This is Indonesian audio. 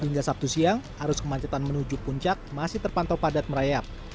hingga sabtu siang arus kemacetan menuju puncak masih terpantau padat merayap